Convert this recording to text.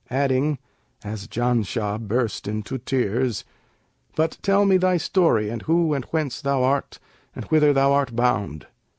adding (as Janshah burst into tears), 'but tell me thy story and who and whence thou art and whither thou art bound.'